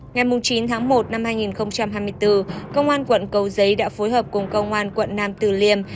ngày chín tháng một năm hai nghìn hai mươi bốn công an quận cầu giấy đã phối hợp cùng công an quận nam từ liêm